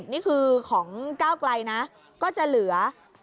นี่คือของก้าวไกลนะก็จะเหลือ